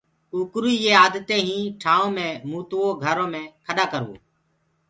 ڪوڪروئي يي آدتين هين ٺآئون مي متوو گھرو مي کڏآ ڪروو